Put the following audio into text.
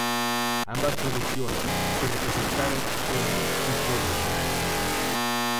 Ambas producciones se representaron en el Hippodrome.